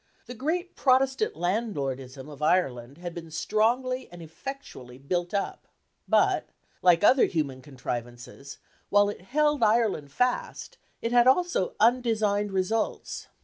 The great Protestant landlordism of Ireland had been strongly and effectually built up. But, like other human contrivances, while it held Ireland fast, it had also undesigned results.